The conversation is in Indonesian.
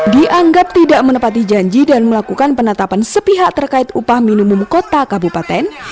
dianggap tidak menepati janji dan melakukan penetapan sepihak terkait upah minimum kota kabupaten